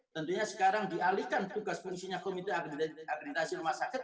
tentunya sekarang dialihkan tugas pengisinya komite akreditasi rumah sakit